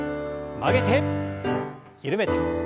曲げて緩めて。